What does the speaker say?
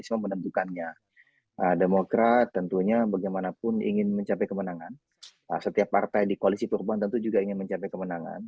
semua menentukannya demokrat tentunya bagaimanapun ingin mencapai kemenangan setiap partai di koalisi perubahan tentu juga ingin mencapai kemenangan